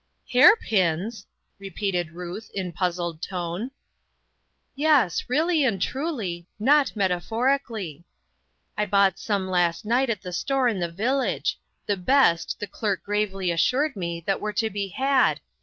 " Hair pins I " repeated Ruth, in puzzled tone. "Yes: really and truly, not metaphori cally. I bought some last night at the store in the village ; the best, the clerk gravely assured me, that were to be had.